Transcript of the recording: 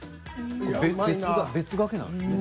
別がけなんですね？